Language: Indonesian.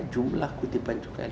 jumlah kutipan cukai